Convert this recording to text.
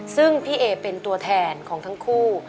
ซึ่งพี่เอเป็นตัวแทนของทั้งคู่